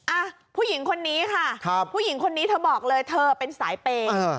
อ่ะผู้หญิงคนนี้ค่ะครับผู้หญิงคนนี้เธอบอกเลยเธอเป็นสายเปย์